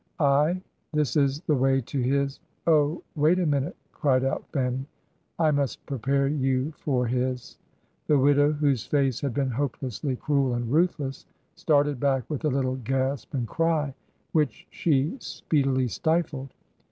I — this is the way to his — oh, wait a minute,' cried out Fanny. 'I must prepare you for his —' The widow, whose face had been hopelessly cruel and ruthless, started back with a little gasp and cry, which she speed ily stifled.